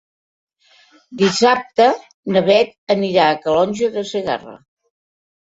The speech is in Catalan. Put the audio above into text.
Dissabte na Beth anirà a Calonge de Segarra.